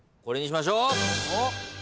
これにしましょう。